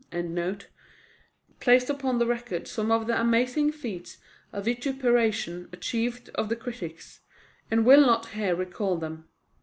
] placed upon record some of the amazing feats of vituperation achieved of the critics, and will not here recall them.